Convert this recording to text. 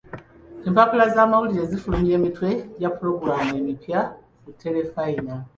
Empapula z'amawulire zifulumya emitwe gya pulogulaamu emipya ku terefayina.